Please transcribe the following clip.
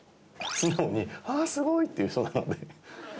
素直に「あすごい」って言う人なので。